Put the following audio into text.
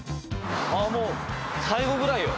もう最後ぐらいよ。